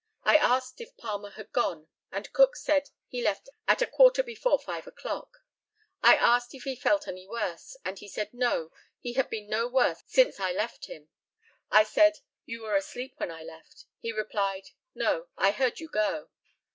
I asked if Palmer had gone, and Cook said he left at a quarter before 5 o'clock. I asked if he felt any worse, and he said, no, he had been no worse since I left him. I said, "You were asleep when I left." He replied, "No, I heard you go."